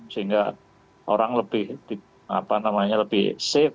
sehingga orang lebih apa namanya lebih safe